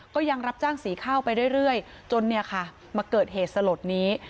ก็ยังรับจ้างสีข้าวไปเรื่อยจนเนี่ยค่ะมาเกิดเหตุสลดนี้